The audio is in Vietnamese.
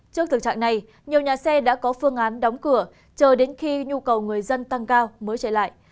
trước thực trạng này nhiều nhà xe đã có phương án đóng cửa chờ đến khi nhu cầu người dân tăng cao mới trở lại